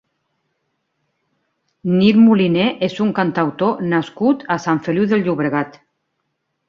Nil Moliner és un cantautor nascut a Sant Feliu de Llobregat.